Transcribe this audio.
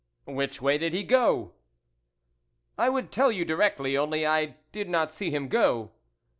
" Which way did he go ?"" I would tell you directly ; only I did not see him go."